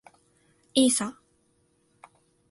いいさ。